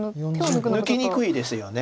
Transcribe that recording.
抜きにくいですよね。